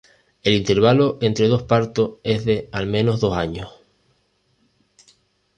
El intervalo entre dos partos es de, al menos, dos años.